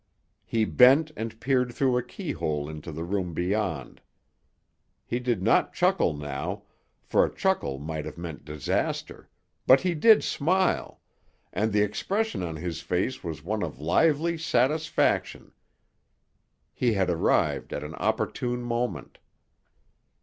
He bent and peered through a keyhole into the room beyond. He did not chuckle now, for a chuckle might have meant disaster, but he did smile, and the expression on his face was one of lively satisfaction. He had arrived at an opportune moment.